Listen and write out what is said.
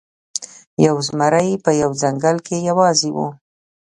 یو زمری په یوه ځنګل کې یوازې و.